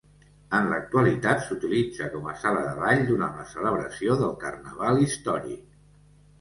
En l'actualitat s'utilitza com a sala de ball durant la celebració del carnaval històric.